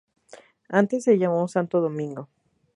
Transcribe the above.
Antes se llamó Santo Domingo.